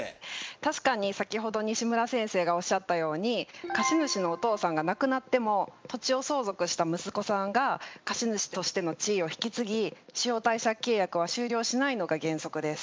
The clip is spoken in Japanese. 確かに先ほど西村先生がおっしゃったように貸主のお父さんが亡くなっても土地を相続した息子さんが貸主としての地位を引き継ぎ使用貸借契約は終了しないのが原則です。